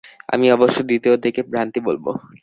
আমি অবশ্য দ্বিতীয়টিকে ভ্রান্তি বলিব।